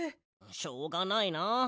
しょうがないな。